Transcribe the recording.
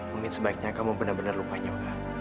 mungkin sebaiknya kamu benar benar lupain yoga